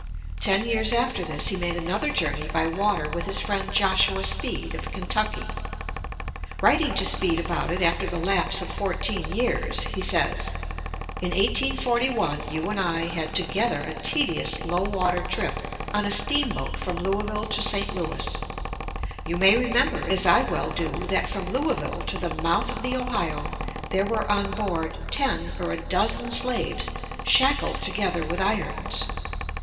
Ten years after this he made another journey by water with his friend Joshua Speed, of Kentucky. Writing to Speed about it after the lapse of fourteen years, he says: "In 1841 you and I had together a tedious low water trip on a steamboat from Louisville to St. Louis. You may remember, as I well do, that from Louisville to the mouth of the Ohio there were on board ten or a dozen slaves shackled together with irons.